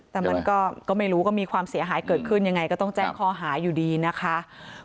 แต่มันก็ไม่รู้ก็มีความเสียหายเกิดขึ้นยังไงก็ต้องแจ้งข้อหาอยู่ดีนะคะ